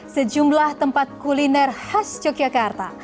sejumlah tempat kuliner khas yogyakarta